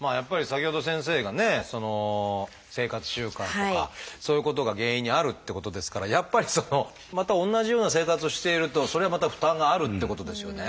先ほど先生がね生活習慣とかそういうことが原因にあるってことですからやっぱりまた同じような生活をしているとそれはまた負担があるってことですよね。